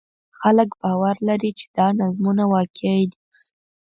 خلک باور لري چې دا نظمونه واقعي دي.